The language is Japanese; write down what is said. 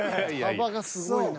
幅がすごいな。